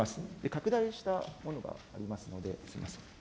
拡大したものがありますので、すみません。